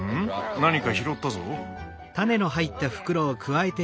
何か拾ったぞ。